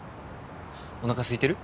おなかすいてる？